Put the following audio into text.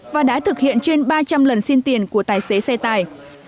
và đã thực hiện trên ba trăm linh lần xin tiền của tài xế xe tài